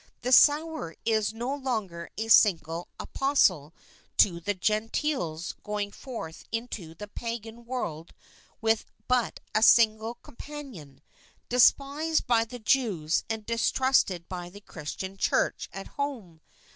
".;; O O J'.;. :: The Sower is no longer a single Apostle to the Gentiles going forth into the pagan world with but a single companion, despised by the Jews and distrusted by the Christian Church at home.